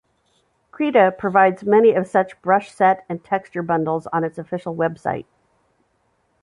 Krita provides many of such brush set and texture bundles on its official website.